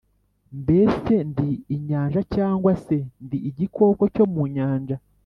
“mbese ndi inyanja’ cyangwa se ndi igikoko cyo mu nyanja,